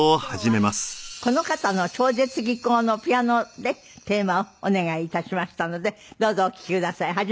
今日はこの方の超絶技巧のピアノでテーマをお願い致しましたのでどうぞお聴きください。